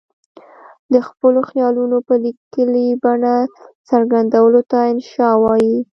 د خپلو خیالونو په لیکلې بڼه څرګندولو ته انشأ وايي.